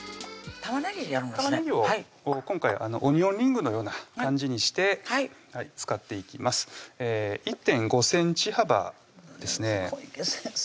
玉ねぎを今回オニオンリングのような感じにして使っていきます１．５ｃｍ幅ですね小池先生はね